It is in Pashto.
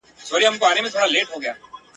لاري بندي وې له واورو او له خټو ..